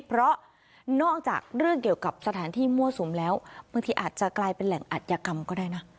เพราะนอกจากเรื่องเกี่ยวกับสถานที่มั่วสุมแล้วบางทีอาจจะกลายเป็นแหล่งอัธยกรรมก็ได้นะ